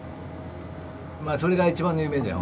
まあそれが一番の夢だよ